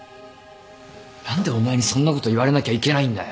何でお前にそんなこと言われなきゃいけないんだよ。